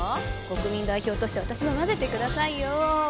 国民代表として私も交ぜてくださいよ。